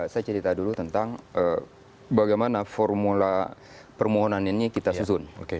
saya cerita dulu tentang bagaimana formula permohonan ini kita susun